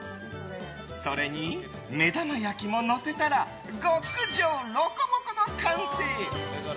それに目玉焼きものせたら極上ロコモコの完成！